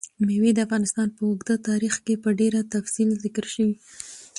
مېوې د افغانستان په اوږده تاریخ کې په ډېر تفصیل ذکر شوي.